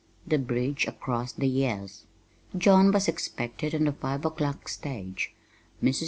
The Bridge Across the Years John was expected on the five o'clock stage. Mrs.